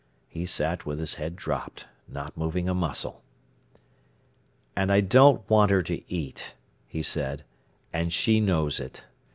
He sat with his head dropped, not moving a muscle. "And I don't want her to eat," he said, "and she knows it.